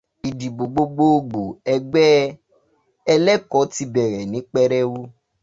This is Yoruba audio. Ìdìbò gbogbogbò ẹgbẹ́ ẹlẹ́kọ ti bẹ̀rẹ̀ ní pẹrẹwu